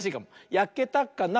やけたかな。